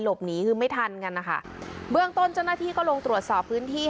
หนีคือไม่ทันกันนะคะเบื้องต้นเจ้าหน้าที่ก็ลงตรวจสอบพื้นที่